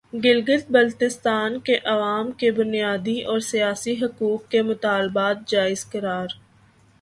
گلگت بلتستان کے عوام کے بنیادی اور سیاسی حقوق کے مطالبات جائز قرار